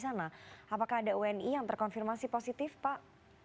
apakah ada wni yang terkonfirmasi positif pak